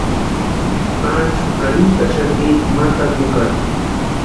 Panchu arhintaxati ma takukata.